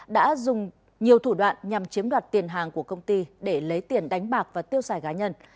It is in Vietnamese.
đã dùng nhiều thủ đoạn nhằm chiếm đoạt tiền hàng của công ty để lấy tiền đánh bạc và tiêu xài gái nhân